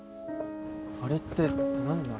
あれって何なの？